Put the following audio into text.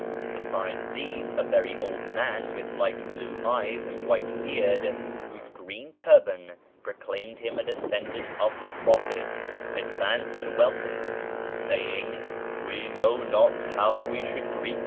Besides these a very old man with light blue eyes and white beard, whose green turban proclaimed him a descendant of the Prophet, advanced to welcome me, saying, "We know not how we 1 See B.